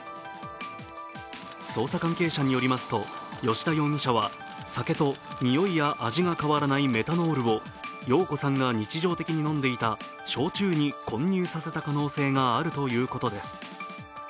捜査関係者によりますと、吉田容疑者は酒と臭いや味が変わらないメタノールを容子さんが日常的に飲んでいた焼酎に混入させた可能性があるということです。